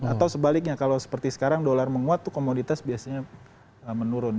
atau sebaliknya kalau seperti sekarang dolar menguat itu komoditas biasanya menurun